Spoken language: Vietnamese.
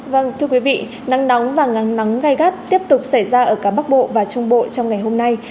vâng thưa quý vị nắng nóng và ngắng nắng ngay gắt tiếp tục xảy ra ở cả bắc bộ và trung bộ trong ngày hôm nay